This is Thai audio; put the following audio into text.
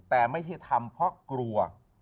แต่ไม่ใช่ทำเพราะกลัว